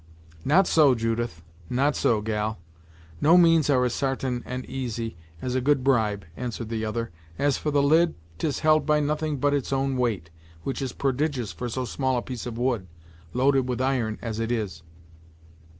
"Not so Judith; not so, gal. No means are as sartain and easy, as a good bribe," answered the other. "As for the lid, 'tis held by nothing but its own weight, which is prodigious for so small a piece of wood, loaded with iron as it is."